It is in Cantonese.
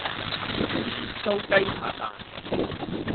鹽酥雞扒飯